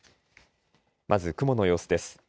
まず雲の様子です。